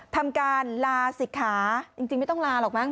ทำการลาศิกขาจริงไม่ต้องลาหรอกมั้